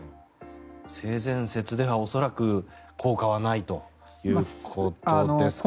性善説では恐らく効果はないということですかね。